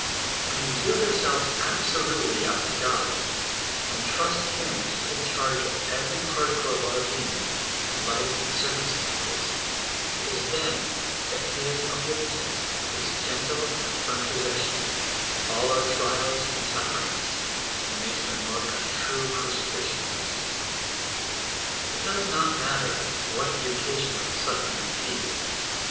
When we yield ourselves absolutel}^ up to God, and trust Him to take charge of every particle of our being and life and circumstances, it is then that His omnipotence takes gentle and firm possession of all our trials and suffer ings, and makes them work a true crucifixion in us. It does not matter what the occasion of the suffer ing ma}^ be.